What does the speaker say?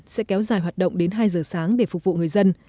sẽ kéo dài hoạt động đến hai giờ sáng để phục vụ người dân